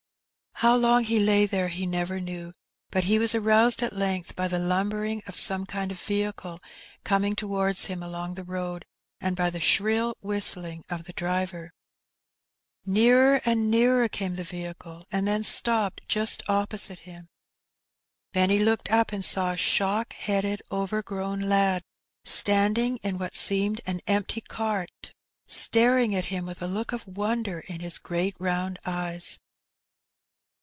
How long he lay there he never knew; but he was aroused at length by the lumbering of some kind of vehicle coming towards him along the road, and by the shrill whistling of the driver. Nearer and nearer came the vehicle, and then stopped just opposite him. Benny looked up and saw a shock headed, overgrown lad, standing in what seemed an empty cart, staring at him with a look of wonder in his great round eyes.